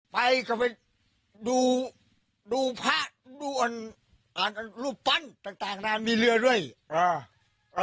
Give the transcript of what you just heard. ไปก็ไปดูดูพระดูอ่านอ่านรูปปั้นต่างต่างนานมีเรือด้วยอ่า